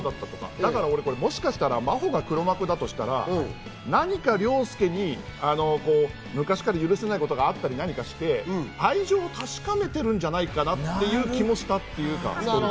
だから真帆が黒幕だとしたら、何か凌介に昔から許せないことがあったり何かして、愛情を確かめてるんじゃないかなっていう気もしたっていうか。